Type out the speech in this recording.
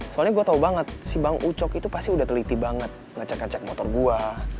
soalnya gue tau banget si bang ucok itu pasti udah teliti banget ngecek ngecek motor gue